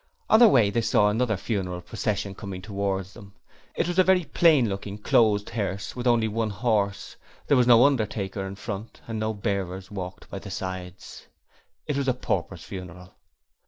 On their way they saw another funeral procession coming towards them. It was a very plain looking closed hearse with only one horse. There was no undertaker in front and no bearers walked by the sides. It was a pauper's funeral.